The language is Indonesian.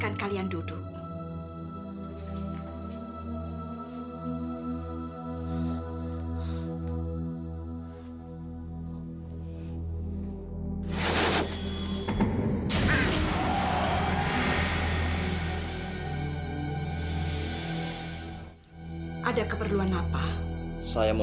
masa depankah di sini sama salah